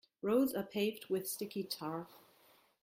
Roads are paved with sticky tar.